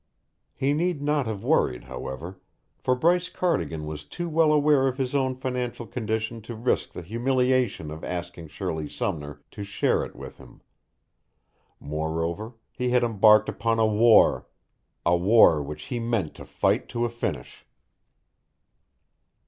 He need not have worried, however, for Bryce Cardigan was too well aware of his own financial condition to risk the humiliation of asking Shirley Sumner to share it with him. Moreover, he had embarked upon a war a war which he meant to fight to a finish.